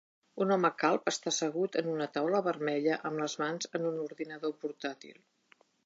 Un home calb està assegut en una taula vermella amb les mans en un ordinador portàtil.